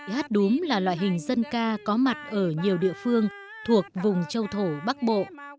hát đúm là loại hình dân ca có mặt ở nhiều địa phương thuộc vùng châu thổ bắc bộ